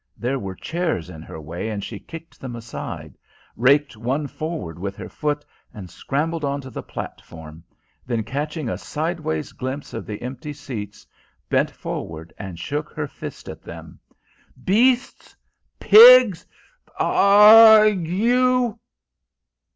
There were chairs in her way, and she kicked them aside; raked one forward with her foot, and scrambled on to the platform; then, catching a sideways glimpse of the empty seats, bent forward and shook her fist at them. "Beasts! Pigs! A a a ah! You!"